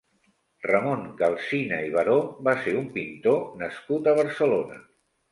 Ramon Calsina i Baró va ser un pintor nascut a Barcelona.